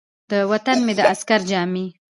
د وطن مې د عسکر جامې ،